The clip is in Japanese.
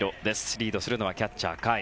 リードするのはキャッチャー、甲斐。